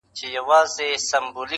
د دنیا له کوره تاته ارمانجن راغلی یمه،